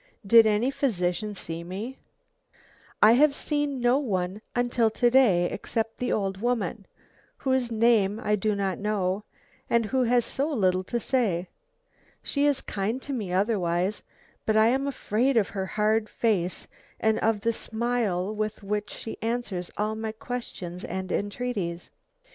Did any physician see me? I have seen no one until to day except the old woman, whose name I do not know and who has so little to say. She is kind to me otherwise, but I am afraid of her hard face and of the smile with which she answers all my questions and entreaties.